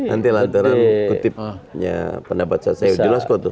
nanti lantaran kutipnya pendapat saya jelas kok tuh